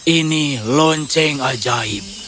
ini lonceng ajaib